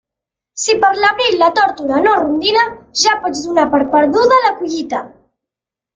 Si per l'abril la tórtora no rondina, ja pots donar per perduda la collita.